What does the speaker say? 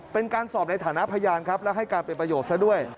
เป็นการสอบในฐานะพยานครับและให้การเป็นประโยชน์ซะด้วย